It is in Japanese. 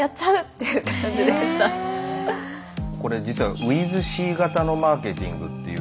これ実はｗｉｔｈＣ型のマーケティングっていう。